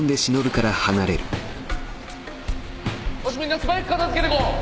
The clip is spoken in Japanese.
よしみんな素早く片付けてこう。